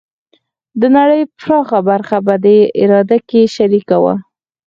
د نړۍ پراخه برخه په دې اراده کې شریکه وه.